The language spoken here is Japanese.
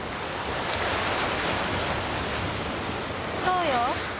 そうよ。